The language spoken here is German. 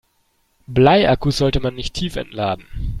Bleiakkus sollte man nicht tiefentladen.